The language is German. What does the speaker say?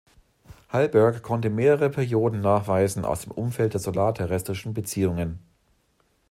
Halberg konnte mehrere Perioden nachweisen aus dem Umfeld der solar-terrestrischen Beziehungen.